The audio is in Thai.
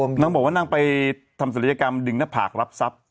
มันไงน้องศัลยกรรมดึงหน้าผากรับทรัพย์